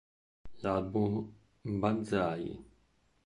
L'album "Banzai!